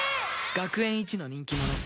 学園一の人気者